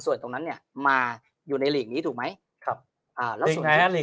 ส่วนตรงนั้นเนี่ยมาอยู่ในหลีกนี้ถูกไหมครับอ่าแล้วสุดท้ายลีก